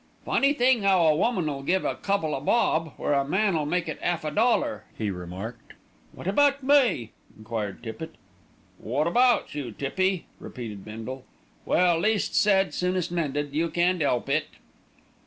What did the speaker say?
"Funny thing 'ow a woman'll give a couple o' bob, where a man'll make it 'alf a dollar," he remarked. "Wot about me?" enquired Tippitt. "Wot about you, Tippy?" repeated Bindle. "Well, least said soonest mended. You can't 'elp it."